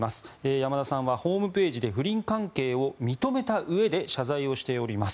山田さんはホームページで不倫関係を認めたうえで謝罪をしております。